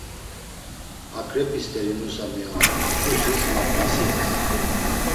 Aǩrep̌i steri nusa miyonun tkusis mapxasines.